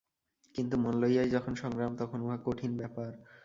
কিন্তু মন লইয়াই যখন সংগ্রাম, তখন উহা কঠিন ব্যাপার।